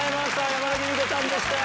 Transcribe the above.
山田貴美子さんでした。